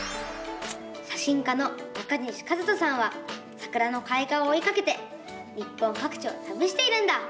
写真家の中西一登さんはさくらのかい花をおいかけて日本かく地をたびしているんだ！